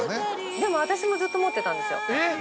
でも私もずっと持ってたんですよ。